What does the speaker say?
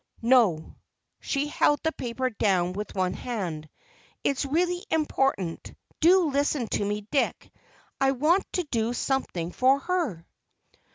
"No," she held the paper down with one hand. "It's really important; do listen to me, Dick! I want to do something for her."